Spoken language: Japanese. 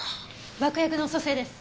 爆薬の組成です。